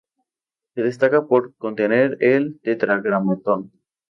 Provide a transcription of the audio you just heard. Se destaca por contener el tetragrámaton.